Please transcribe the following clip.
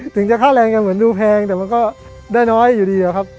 ถึงจะค่าแรงกันเหมือนดูแพงแต่มันก็ได้น้อยอยู่ดีอะครับ